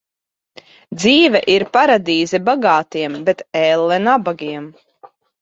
Dzīve ir paradīze bagātiem, bet elle nabagiem.